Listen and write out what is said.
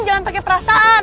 jangan pake perasaan